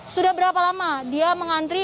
sudah berapa lama dia mengantri